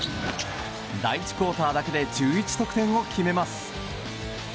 第１クオーターだけで１１得点を決めます。